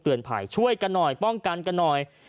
ช่วยกันหน่อยป้องกันกันหน่อย